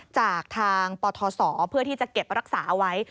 จากทางปทศเพื่อที่จะเก็บรักษาเอาไว้